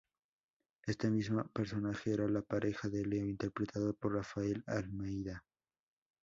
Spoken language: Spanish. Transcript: Este mismo personaje era la pareja de Leo, interpretado por Rafael Almeida.